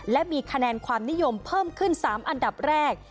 และมีคะแนนความนิยมเพิ่มขึ้น๓อันดับแรก